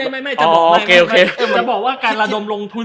ไม่จะบอกว่าการระดมลงทุน